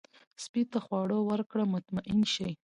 سپي ته خواړه ورکړه، مطمئن شي.